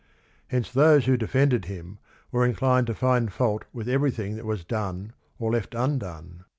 Hence those who defended him were inclined to find fault with everything that was done or left undone.